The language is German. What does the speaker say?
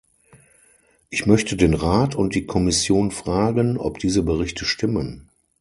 Ich möchte den Rat und die Kommission fragen, ob diese Berichte stimmen.